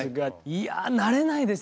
いやあ慣れないですね